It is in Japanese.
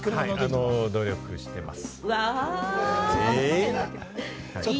努力しています。